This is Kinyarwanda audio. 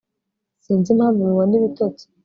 sinzi impamvu mubona ibitotsi